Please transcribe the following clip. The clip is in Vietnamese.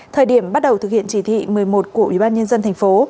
thời điểm bắt đầu thực hiện chỉ thị một mươi một của ubnd tp